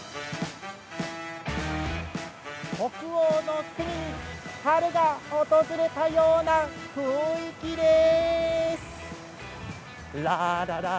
北欧の国に春が訪れたような雰囲気です。